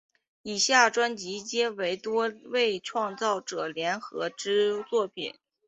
以下专辑皆为多位创作者联合之作品。